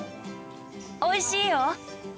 おいしいよ。